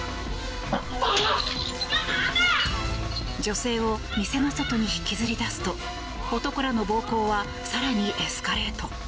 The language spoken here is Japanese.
女性を店の外に引きずりだすと男らの暴行は更にエスカレート。